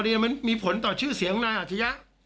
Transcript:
มันไม่มีผลต่อคดีมันมีผลต่อชื่อเสียงนายอาชริยะ